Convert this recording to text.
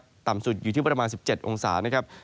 ในแต่ละพื้นที่เดี๋ยวเราไปดูกันนะครับ